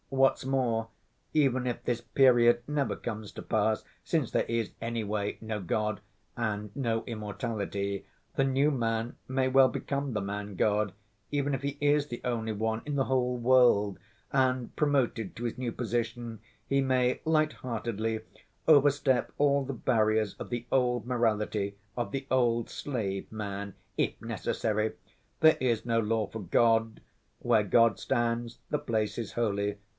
What's more, even if this period never comes to pass, since there is anyway no God and no immortality, the new man may well become the man‐god, even if he is the only one in the whole world, and promoted to his new position, he may lightheartedly overstep all the barriers of the old morality of the old slave‐man, if necessary. There is no law for God. Where God stands, the place is holy.